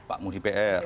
pak muhdi pr